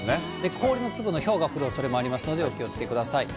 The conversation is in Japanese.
氷の粒のひょうが降るおそれもありますので、お気をつけください。